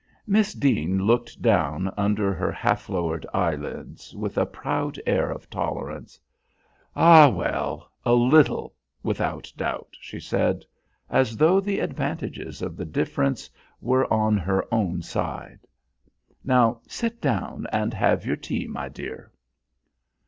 Miss Deane looked down under her half lowered eyelids with a proud air of tolerance. "Ah, well, a little without doubt," she said, as though the advantages of the difference were on her own side. "Now sit down and have your tea, my dear."